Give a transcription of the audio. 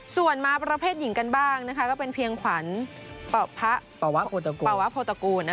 ส่วนมาประเภทหญิงกันบ้างก็เป็นเพียงขวัญโภตกูล